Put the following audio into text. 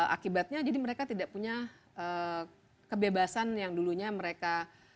akibatnya jadi mereka tidak punya kebebasan yang dulunya mereka